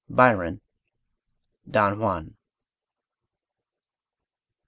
BYRON, Don Juan.